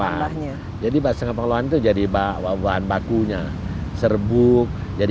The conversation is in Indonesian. kiranya kalau uap asta bakunya apa